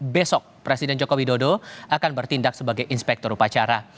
besok presiden joko widodo akan bertindak sebagai inspektor upacara